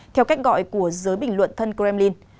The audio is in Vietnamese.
theo cách gọi của giới bình luận thân kremlin